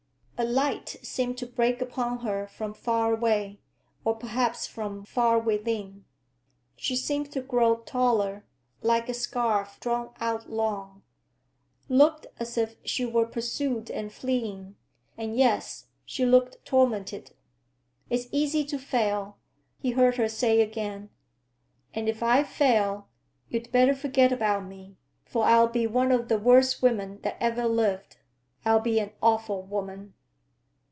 A light seemed to break upon her from far away—or perhaps from far within. She seemed to grow taller, like a scarf drawn out long; looked as if she were pursued and fleeing, and—yes, she looked tormented. "It's easy to fail," he heard her say again, "and if I fail, you'd better forget about me, for I'll be one of the worst women that ever lived. I'll be an awful woman!"